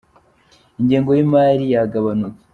Ingengo y'imari yagabanutse